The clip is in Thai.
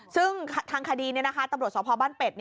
ซึ่งทางคดีตำรวจสพบ้านเป็ด